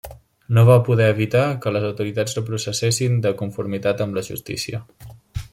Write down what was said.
No va poder evitar que les autoritats la processessin de conformitat amb la justícia.